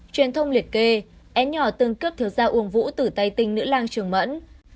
truyền thông liệt kê n nhỏ từng cướp thiếu gia uông vũ từ tay tinh nữ lang trường mẫn